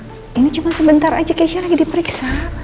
ini cuma sebentar aja keisha lagi diperiksa